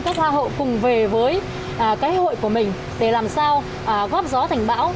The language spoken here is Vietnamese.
các hoa hậu cùng về với cái hội của mình để làm sao góp gió thành bão